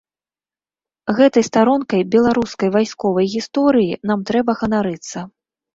Гэтай старонкай беларускай вайсковай гісторыі нам трэба ганарыцца.